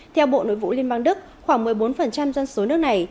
theo bộ nội vụ liên bang đức khoảng một mươi bốn dân số nước này